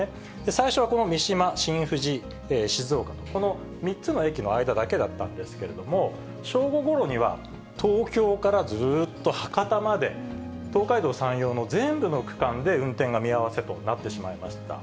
最初はこの三島、新富士、静岡とこの３つの駅の間だけだったんですけれども、正午ごろには、東京からずーっと博多まで東海道・山陽の全部の区間で運転が見合わせとなってしまいました。